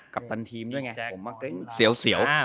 กัปตันทีมด้วยไง